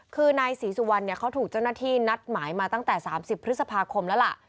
คือนายศรีสุวรรณเขาถูกเจ้าหน้าที่นัดหมายมาตั้งแต่๓๐พฤษภาคมแล้วล่ะ